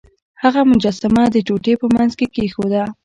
هغه مجسمه د ټوټې په مینځ کې کیښوده.